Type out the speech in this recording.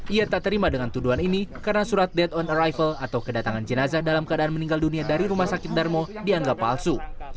ia tak terima dengan tuduhan ini karena surat dead on arrival atau kedatangan jenazah dalam keadaan meninggal dunia dari rumah sakit darmo dianggap palsu